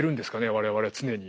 我々常に。